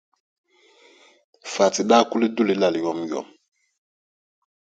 Fati daa kuli du li la yomyom.